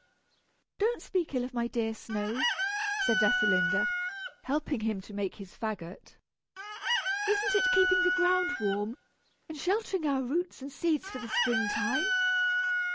"Don't speak ill of my dear snow," said Ethelinda, helping him to make his fagot. "Isn't it keeping the ground warm, and sheltering our roots and seeds for the spring time?